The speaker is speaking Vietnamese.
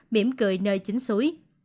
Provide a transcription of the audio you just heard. miễn cười nơi chính suối